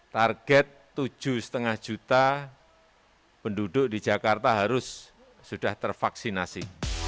target tujuh lima juta penduduk di jakarta harus sudah tervaksinasi